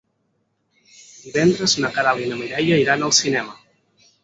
Divendres na Queralt i na Mireia iran al cinema.